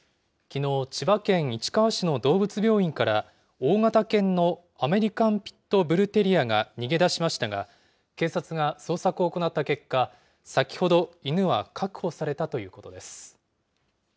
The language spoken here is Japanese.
きのう、千葉県市川市の動物病院から、大型犬のアメリカン・ピット・ブル・テリアが逃げ出しましたが、警察が捜索を行った結果、先ほど犬は確保されたということです。